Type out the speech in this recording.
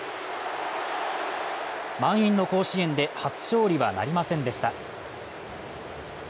満員の甲子園で初勝利はなりませんでした。